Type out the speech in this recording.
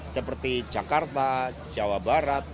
seperti jakarta jawa barat